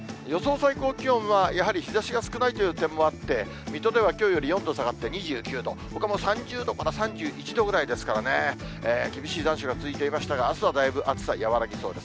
最高気温はやはり日ざしが少ないという点もあって、水戸ではきょうより４度下がって２９度、ほかも３０度から３１度ぐらいですからね、厳しい残暑が続いていましたが、あすはだいぶ、暑さ和らぎそうです。